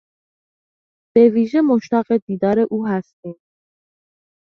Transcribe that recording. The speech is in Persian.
به ویژه مشتاق دیدار او هستیم.